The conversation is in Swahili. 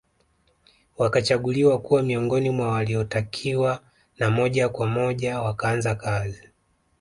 Wakachaguliwa kuwa miongoni mwa waliotakiwa na moja kwa moja wakaanza kazi